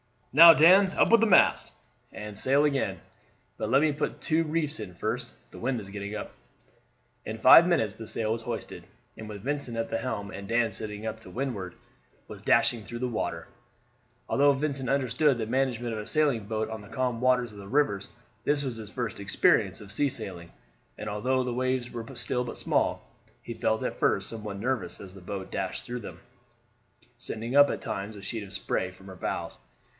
"Now, Dan, up with the mast; and sail again; but let me put two reefs in first, the wind is getting up." In five minutes the sail was hoisted, and with Vincent at the helm and Dan sitting up to windward, was dashing through the water. Although Vincent understood the management of a sailing boat on the calm waters of the rivers, this was his first experience of sea sailing; and although the waves were still but small, he felt at first somewhat nervous as the boat dashed through them, sending up at times a sheet of spray from her bows.